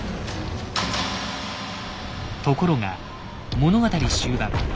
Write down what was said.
ところが物語終盤。